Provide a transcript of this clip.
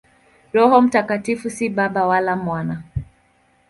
Roho Mtakatifu si Baba wala Mwana.